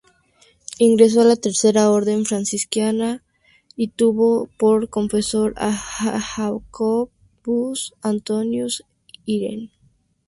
Ingresó a la Tercera Orden Franciscana y tuvo por confesor a Jacobus Antonius Heeren.